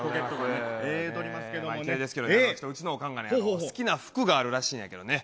絶対汚れまうちのおかんがね、好きな服があるらしいんやけどね。